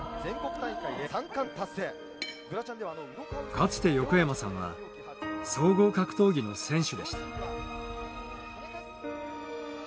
かつて横山さんは総合格闘技の選手でした。